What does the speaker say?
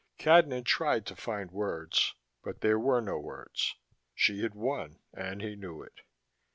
Cadnan tried to find words, but there were no words. She had won, and he knew it.